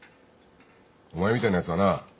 お前みたいなやつはな